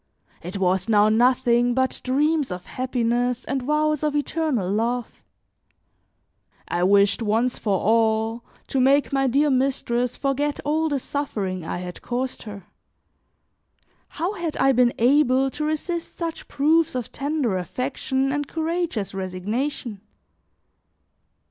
It was now nothing but dreams of happiness and vows of eternal love; I wished, once for all, to make my dear mistress forget all the suffering I had caused her. How had I been able to resist such proofs of tender affection and courageous resignation?